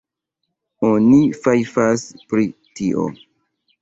Oni fajfas pri tio.